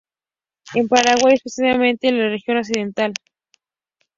En el Paraguay específicamente en la Región Occidental.